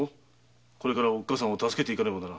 これからおっかさんを助けていかねばな。